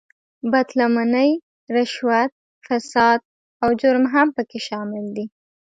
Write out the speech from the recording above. بد لمنۍ، رشوت، فساد او جرم هم په کې شامل دي.